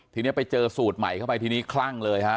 ทีนี้ไปเจอสูตรใหม่เข้าไปทีนี้คลั่งเลยฮะ